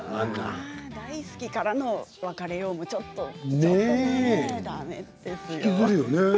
大好きから別れようもちょっと。